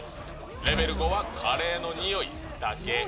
レベル５はカレーの匂いだけ。